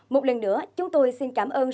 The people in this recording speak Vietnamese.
một lần nữa chúng tôi xin cảm ơn sự khám phá